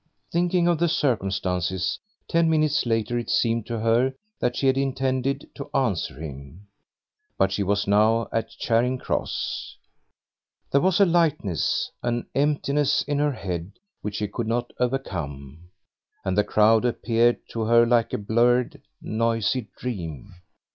Thinking of the circumstances ten minutes later it seemed to her that she had intended to answer him. But she was now at Charing Cross. There was a lightness, an emptiness in her head which she could not overcome, and the crowd appeared to her like a blurred, noisy dream.